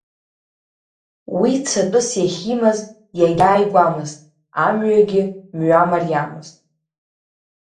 Уи цатәыс иахьимаз иагьааигәамызт, амҩагьы мҩа мариамызт.